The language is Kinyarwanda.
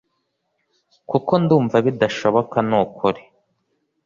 kuko ndumva bidashoboka nukuri!